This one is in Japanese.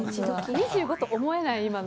２５と思えない、今の。